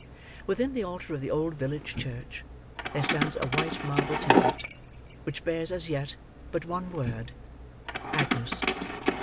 Within the altar of the old village church there stands a white marble tablet, which bears as yet but one word: "AGNES."